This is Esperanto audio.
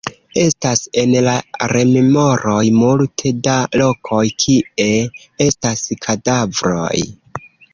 Estas en la rememoroj multe da lokoj, kie estas kadavroj.